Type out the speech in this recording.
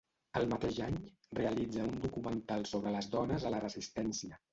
El mateix any, realitza un documental sobre les dones a la resistència.